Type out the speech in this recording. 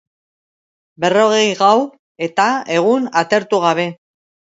Berrogei gau eta egun atertu gabe.